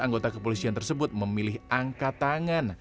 anggota kepolisian tersebut memilih angkat tangan